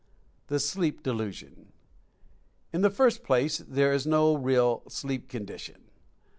THE "SLEEP DELUSION." In the first place, there is no real "sleep condition."